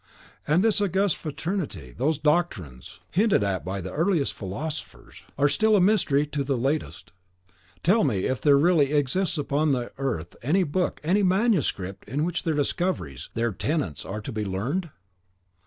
And this august fraternity, whose doctrines, hinted at by the earliest philosophers, are still a mystery to the latest; tell me if there really exists upon the earth any book, any manuscript, in which their discoveries, their tenets, are to be learned?"